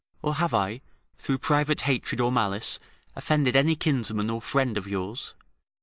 or have I, through private hatred or malice, offended any kinsman or friend of yours?